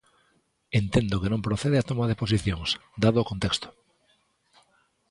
Entendo que non procede a toma de posicións, dado o contexto.